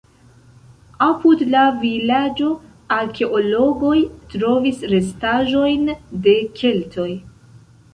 Apud la vilaĝo arkeologoj trovis restaĵojn de keltoj.